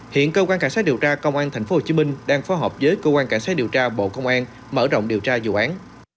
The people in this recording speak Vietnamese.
hiện cơ quan cảnh sát điều tra công an thành phố hồ chí minh đang phó hợp với cơ quan cảnh sát điều tra bộ công an mở rộng điều tra dự án